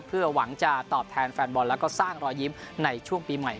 เพื่อหวังจะตอบแทนแฟนบอลแล้วก็สร้างรอยยิ้มในช่วงปีใหม่